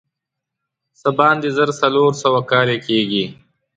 څه باندې زر څلور سوه کاله کېږي.